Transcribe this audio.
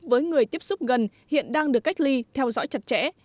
với người tiếp xúc gần hiện đang được cách ly theo dõi chặt chẽ